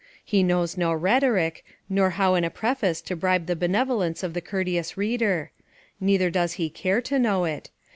He knows no rhetoric, nor how in a preface to bribe the benevolence of the courteous reader; neither does he care to know it.